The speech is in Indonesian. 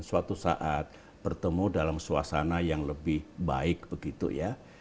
suatu saat bertemu dalam suasana yang lebih baik begitu ya